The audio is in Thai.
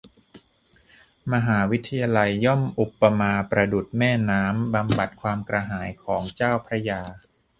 มหาวิทยาลัยย่อมอุปมาประดุจแม่น้ำ บำบัดความกระหายของเจ้าพระยา